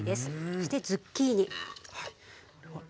そしてズッキーニ。